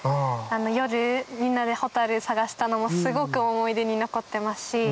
夜みんなでホタル探したのもすごく思い出に残ってますし。